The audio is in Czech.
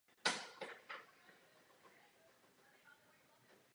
Atraktivní interiéry této historické stavby využili v minulých letech několikrát filmaři.